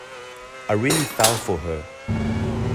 I really fell for her.